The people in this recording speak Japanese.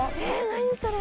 何それ。